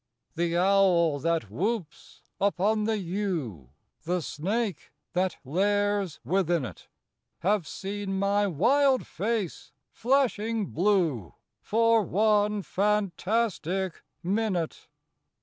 The owl that whoops upon the yew, The snake that lairs within it, Have seen my wild face flashing blue For one fantastic minute.